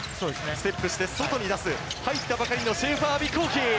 ステップして、外に出す、入ったばかりのシェーファー・アヴィ幸樹。